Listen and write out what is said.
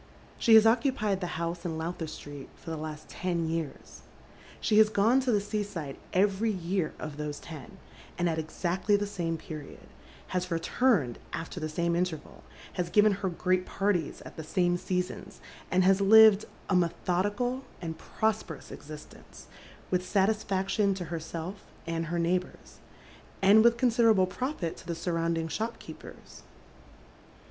She has occupied the house in Lowther Street for the last ten years. She has gone to the sea side every year of those ten, and at exactly the same period, has returned after the same intei val, has given her great parties at the same seasons, and has lived a methodical and prosperous existence, with satis faction to herself and her neighbours, and with considerable profit to the surrounding shopkeepers.